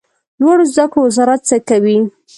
لوړو زده کړو وزارت څه کوي؟